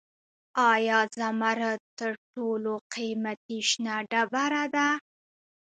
آیا زمرد تر ټولو قیمتي شنه ډبره ده؟